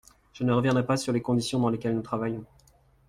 Je ne reviendrai pas sur les conditions dans lesquelles nous travaillons.